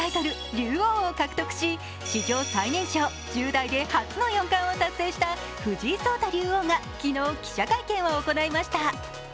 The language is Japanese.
・竜王を獲得し史上最年少１０代で初の四冠を達成した藤井聡太竜王が昨日、記者会見を行いました。